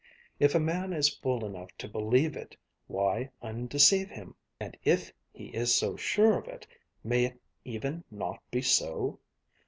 If a man is fool enough to believe it, why undeceive him? And if he is so sure of it, may it even not be so?